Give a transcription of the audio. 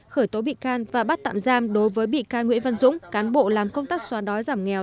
khởi tố bị can và bắt tạm giam đối với bị can nguyễn văn dũng cán bộ làm công tác xóa đói giảm nghèo